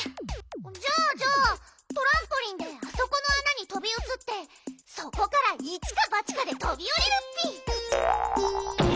じゃあじゃあトランポリンであそこのあなにとびうつってそこから一か八かでとびおりるッピ。